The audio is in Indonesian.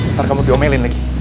ntar kamu diomelin lagi